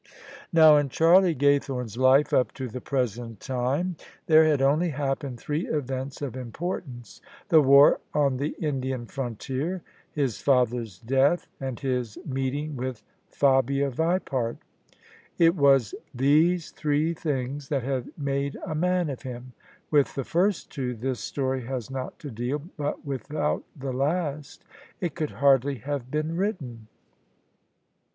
Now in Charlie Gaythome's life up to the present time [ 47 ]\ THE SUBJECTION there had only happened three events of importance — ^thc war on the Indian frontier, his father's death, and his meeting with Fabia Vipart. It was these three things that had made a man of him. With the first two this story has not to deal : but without the last it could hardly have been written.